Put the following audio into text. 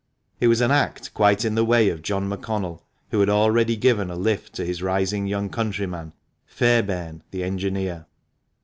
It was an act quite in the way of John McConnell, who had already given a lift to his rising young countryman, Fairbairn, the engineer.